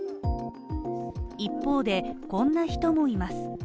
一方で、こんな人もいます